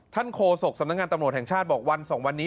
โฆษกสำนักงานตำรวจแห่งชาติบอกวัน๒วันนี้